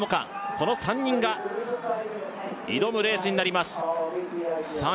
この３人が挑むレースになりますさあ